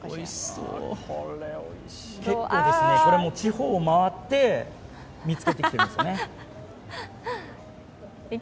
結構これも、地方回って見つけてきています。